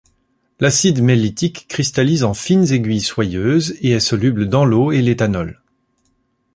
L'acide mellitique cristallise en fines aiguilles soyeuses et est soluble dans l'eau et l'éthanol.